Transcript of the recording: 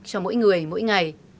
cho mỗi người mỗi ngày